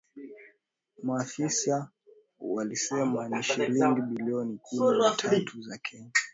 Maafisa walisema ni shilingi bilioni kumi na tatu za Kenya